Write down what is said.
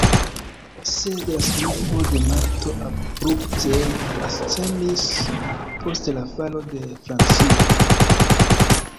Sed la signifo de Malto abrupte ascendis post la falo de Francio.